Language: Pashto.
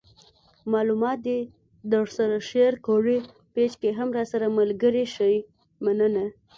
معلومات د درسره شیر کړئ پیج کې هم راسره ملګري شئ مننه